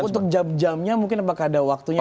untuk jam jamnya mungkin apakah ada waktunya